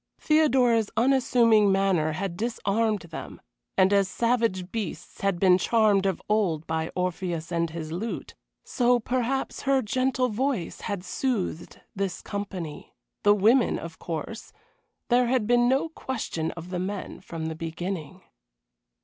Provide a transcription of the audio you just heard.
Theodora's unassuming manner had disarmed them, and as savage beasts had been charmed of old by Orpheus and his lute, so perhaps her gentle voice had soothed this company the women, of course; there had been no question of the men from the beginning.